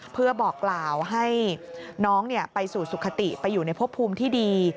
เพื่อบอกกล่าวให้น้องไปสู่สุขติไปอยู่ในพบภูมิที่ดี